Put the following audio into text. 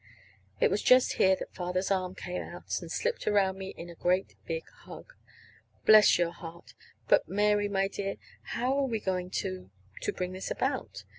It was just here that Father's arm came out and slipped around me in a great big hug. "Bless your heart! But, Mary, my dear, how are we going to to bring this about?"